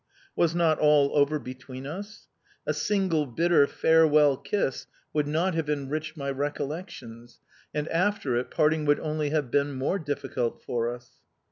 Was not all over between us? A single, bitter, farewell kiss would not have enriched my recollections, and, after it, parting would only have been more difficult for us.